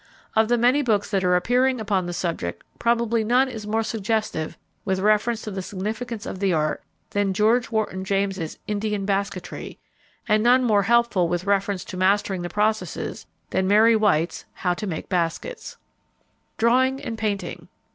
Of the many books that are appearing upon the subject probably none is more suggestive with reference to the significance of the art than George Wharton James's Indian Basketry, and none more helpful with reference to mastering the processes than Mary White's How to Make Baskets. _Drawing and Painting.